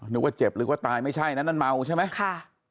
นึกว่าเจ็บหรือว่าตายไม่ใช่นั้นนั่นเมาใช่ไหมค่ะ